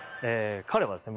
彼はですね